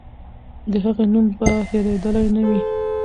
د هغې نوم به هېرېدلی نه وي.